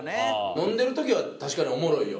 飲んでる時は確かにおもろいよ。